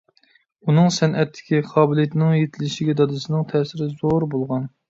ئۇنىڭ سەنئەتتىكى قابىلىيىتىنىڭ يېتىلىشىگە دادىسىنىڭ تەسىرى زور بولغان.